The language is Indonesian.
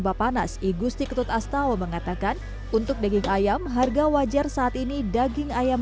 bapanas igusti ketut astawa mengatakan untuk daging ayam harga wajar saat ini daging ayam